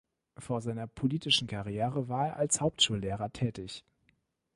Vor seiner politischen Karriere war er als Hauptschullehrer tätig.